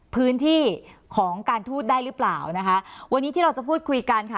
พื้นที่ของการทูตได้หรือเปล่านะคะวันนี้ที่เราจะพูดคุยกันค่ะ